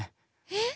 えっ？